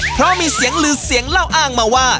เพราะมีเสียงลือเสียงเล่าอ้างมาว่า